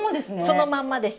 そのまんまです。